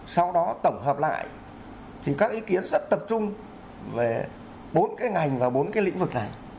sau đó tổng hợp lại thì các ý kiến sẽ tập trung về bốn cái ngành và bốn cái lĩnh vực này